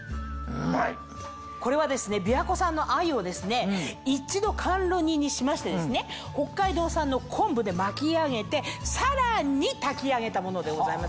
これは琵琶湖産の鮎を一度甘露煮にしまして北海道産の昆布で巻き上げてさらに炊き上げたものでございます。